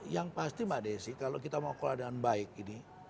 yang pasti mbak desi kalau kita mau kelola dengan baik ini